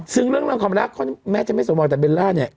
ซึ่งเรื่องของรักแม้จะไม่สมองแต่เบลล่าเนี่ย